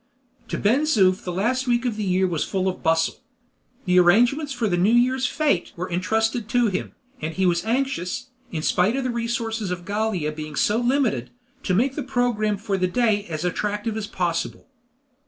To Ben Zoof the last week of the year was full of bustle. The arrangements for the New Year fete were entrusted to him, and he was anxious, in spite of the resources of Gallia being so limited, to make the program for the great day as attractive as possible.